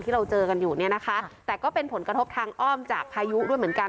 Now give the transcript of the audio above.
เราเจอกันอยู่เนี่ยนะคะแต่ก็เป็นผลกระทบทางอ้อมจากพายุด้วยเหมือนกัน